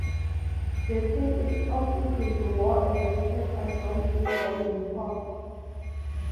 The queen of Egypt wore a bracelet adorned with golden hawks.